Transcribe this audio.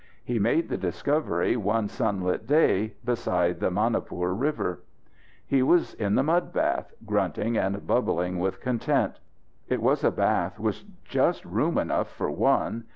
He made the discovery one sunlit day beside the Manipur River. He was in the mud bath, grunting and bubbling with content. It was a bath with just room enough for one.